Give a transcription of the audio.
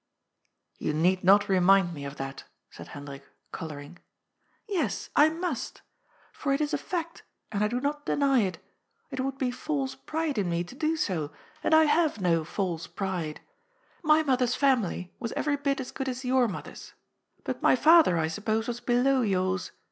" You need not remind me of that," said Hendrik, col ouring. " Yes, I must. For it is a fact, and I do not deny it. It would be false pride in me to do so, and I have no false pride. My mother's family was every bit as good as your mother's, but my father, I suppose, was below yours.